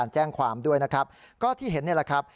แจ้งความด้วยนะครับก็ที่เห็นนี่แหละครับ